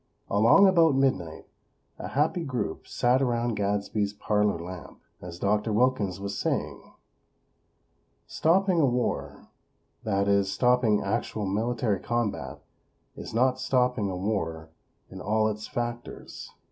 Along about midnight a happy group sat around Gadsby's parlor lamp, as Dr. Wilkins was saying; "Stopping a war; that is, stopping actual military combat, is not stopping a war in all its factors.